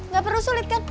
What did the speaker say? gak perlu sulit kan